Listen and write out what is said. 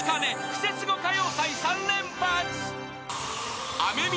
クセスゴ歌謡祭３連発］